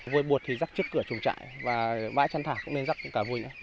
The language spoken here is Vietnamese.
vôi bột thì rắc trước cửa chùm chạy và vãi chăn thả cũng nên rắc cả vùng